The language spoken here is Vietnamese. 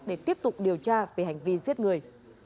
để tiếp tục điều tra về hành vi giết người